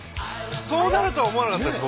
そうなるとは思わなかったです